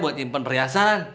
buat nyimpen perhiasan